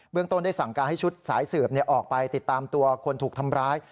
เรื่องต้นได้สั่งการให้ชุดสายสืบออกไปติดตามตัวคนถูกทำร้าย